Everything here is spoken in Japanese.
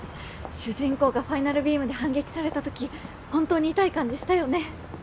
主人公がファイナルビームで反撃されたとき本当に痛い感じしたよね。